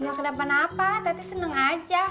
gak ada kenapa tadi seneng aja